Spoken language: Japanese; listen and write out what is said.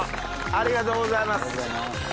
ありがとうございます。